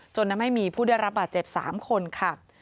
จนทำให้มีผู้ได้รับบาดเจ็บ๓คนค่ะ